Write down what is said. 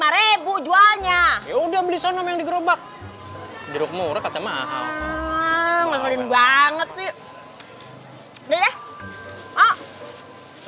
rp lima jualnya udah beli sono yang di gerobak di rumah mahal banget sih oh udah aja